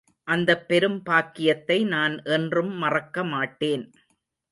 அந்தப் பெரும் பாக்யத்தை நான் என்றும் மறக்கமாட்டேன்.